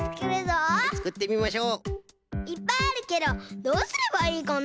いっぱいあるけどどうすればいいかな？